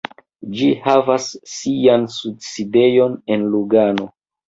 Ĝi havas sian sidejon en Lugano.